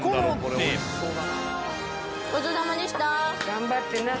頑張ってな。